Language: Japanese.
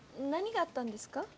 何があったんですか？